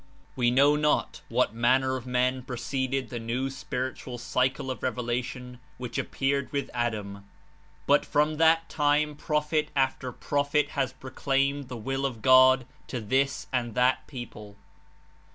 We know not what manner of men preceded the new spiritual cycle of revelation which appeared with Adam, but from that time prophet after prophet has proclaimed the Will of God to this and that people.